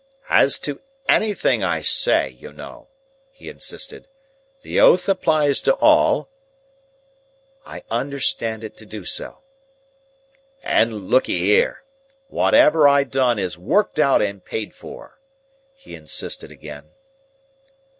"As to anything I say, you know," he insisted. "The oath applies to all." "I understand it to do so." "And look'ee here! Wotever I done is worked out and paid for," he insisted again.